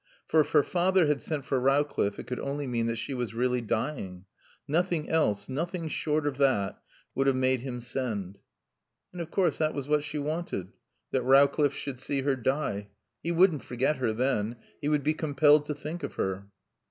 For if her father had sent for Rowcliffe it could only mean that she was really dying. Nothing else nothing short of that would have made him send. And of course that was what she wanted, that Rowcliffe should see her die. He wouldn't forget her then. He would be compelled to think of her.